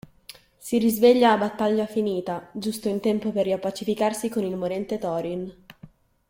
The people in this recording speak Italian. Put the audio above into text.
Si risveglia a battaglia finita, giusto in tempo per riappacificarsi con il morente Thorin.